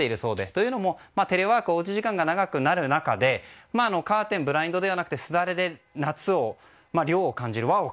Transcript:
というのもテレワークおうち時間が長くなる中でカーテン、ブラインドではなくてすだれで夏、涼和を感じる。